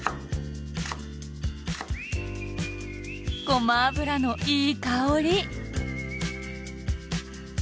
ごま油のいい香り。